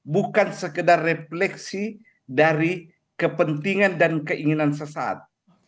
bukan sekedar refleksi dari kepentingan dan keinginan sesaat